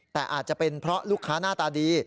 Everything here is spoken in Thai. แต่อาจจะเป็นเพราะลูกค้าหน้าตาดี